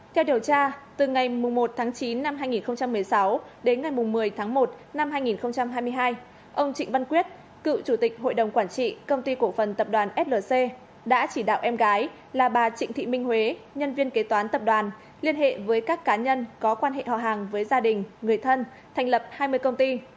theo điều tra từ ngày một tháng chín năm hai nghìn một mươi sáu đến ngày một mươi tháng một năm hai nghìn hai mươi hai ông trịnh văn quyết cựu chủ tịch hội đồng quản trị công ty cổ phần tập đoàn flc đã chỉ đạo em gái là bà trịnh thị minh huế nhân viên kế toán tập đoàn liên hệ với các cá nhân có quan hệ hòa hàng với gia đình người thân thành lập hai mươi công ty